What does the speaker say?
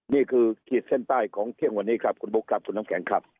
ขีดเส้นใต้ของเที่ยงวันนี้ครับคุณบุ๊คครับคุณน้ำแข็งครับ